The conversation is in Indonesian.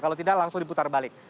kalau tidak langsung diputar balik